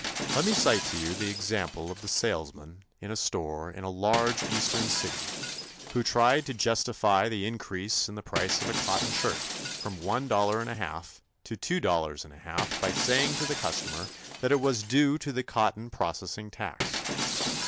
Let me cite to you the example of the salesman in a store in a large Eastern city who tried to justify the increase in the price of a cotton shirt from one dollar and a half to two dollars and a half by saying to the customer that it was due to the cotton processing tax.